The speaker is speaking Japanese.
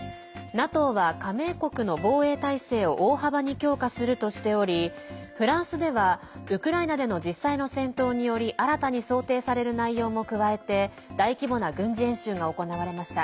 ＮＡＴＯは加盟国の防衛態勢を大幅に強化するとしておりフランスではウクライナでの実際の戦闘により新たに想定される内容も加えて大規模な軍事演習が行われました。